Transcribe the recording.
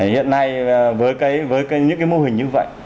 hiện nay với những cái mô hình như vậy